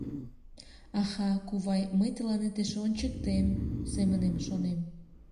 «Аха, кувай, мый тыланет эше ончыктем», — семынем шонем.